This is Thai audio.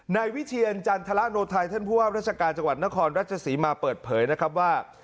นายวิเทียนจันทรโนไทยท่านผู้ว่าราชการจังหวัดนครราชศรีมาเปิดเผยนะครับว่า